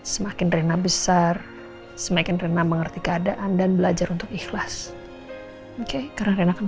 semakin rena besar semakin terdemam mengerti keadaan dan belajar untuk ikhlas forbes interpretations